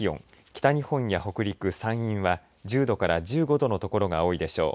北日本や北陸、山陰は１０度から１５度の所が多いでしょう。